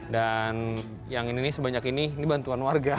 dan yang ini sebanyak ini ini bantuan warga